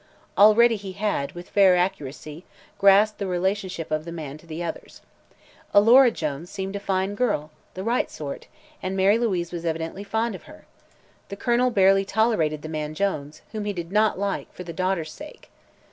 Already he had, with fair accuracy, grasped the relationship of the man to the others. Alora Jones seemed a fine girl the right sort and Mary Louise was evidently fond of her. The Colonel barely tolerated the man Jones, whom he did not like, for the daughter's sake.